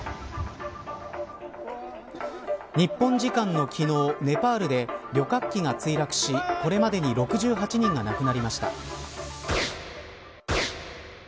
日本時間の昨日ネパールで旅客機が墜落しこれまでに６８人が亡くなりました。